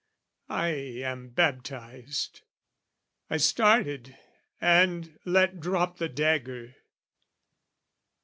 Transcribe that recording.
I am baptised. I started and let drop The dagger.